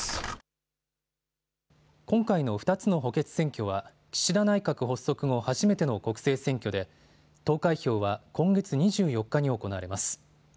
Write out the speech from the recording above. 今回の２つの補欠選挙は岸田内閣発足後初めての国政選挙で、投開票は今月２４日に行われます。